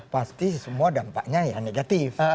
pasti semua dampaknya ya negatif